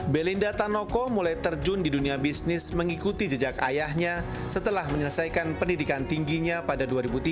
belinda tanoko mulai terjun di dunia bisnis mengikuti jejak ayahnya setelah menyelesaikan pendidikan tingginya pada dua ribu tiga